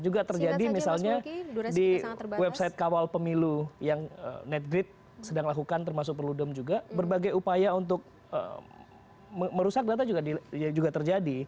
juga terjadi misalnya di website kawal pemilu yang netgrid sedang lakukan termasuk perludem juga berbagai upaya untuk merusak data juga terjadi